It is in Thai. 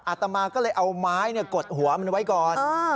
อาตมาก็เลยเอาไม้กดหัวมันไว้ก่อน